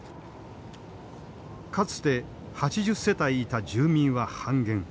かつて８０世帯いた住民は半減。